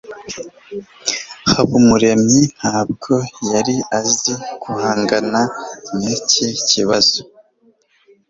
Habumuremwi ntabwo yari azi guhangana niki kibazo.